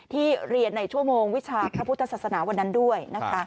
ที่เรียนในชั่วโมงวิชาพระพุทธศาสนาวันนั้นด้วยนะคะ